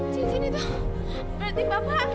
cincin itu berarti bapak